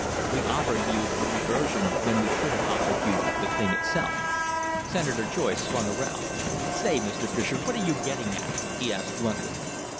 We offered you a reversion when we should have offered you the thing itself." Senator Joyce swung around. "Say, Mr. Fischer, what are you getting at?" he asked bluntly.